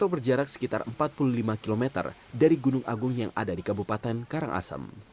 berjarak sekitar empat puluh lima km dari gunung agung yang ada di kabupaten karangasem